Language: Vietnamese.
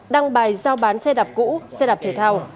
đăng bài giao bán xe đạp cũ xe đạp thể thao